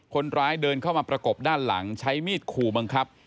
คนร้ายเดินเข้ามาประกบด้านหลังใช้มีดขู่บังคับ